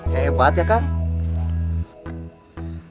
hebat ya kang